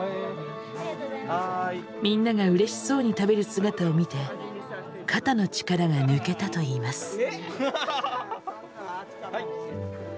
みんながうれしそうに食べる姿を見て肩の力が抜けたといいます。